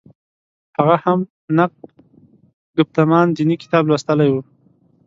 هغه هم «نقد ګفتمان دیني» کتاب لوستلی و.